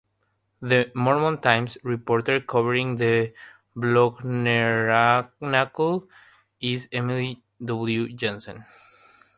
The "Mormon Times" reporter covering the Bloggernacle is Emily W. Jensen.